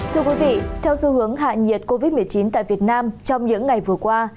thưa quý vị theo xu hướng hạ nhiệt covid một mươi chín tại việt nam trong những ngày vừa qua